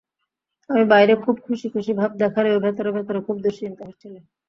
আমি বাইরে খুব খুশী খুশী ভাব দেখালেও ভেতরে ভেতরে খুব দুশ্চিন্তা হচ্ছিল।